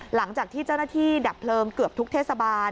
หลังจากที่เจ้าหน้าที่ดับเพลิงเกือบทุกเทศบาล